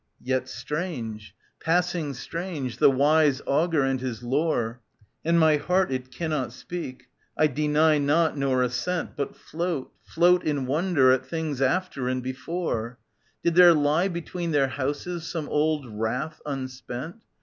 Yet strange, passing strange, the wise augur and his lore; And my heart it cannot speak; I deny not nor assent. But float, float in wonder at things after and before ; Did there lie between their houses some old wrath unspent.